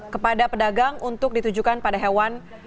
kepada pedagang untuk ditujukan pada hewan